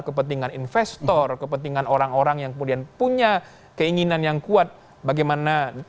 kepentingan investor kepentingan orang orang yang kemudian punya keinginan yang kuat bagaimana